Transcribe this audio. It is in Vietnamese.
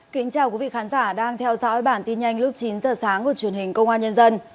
kính chào quý vị khán giả đang theo dõi bản tin nhanh lúc chín giờ sáng của truyền hình công an nhân dân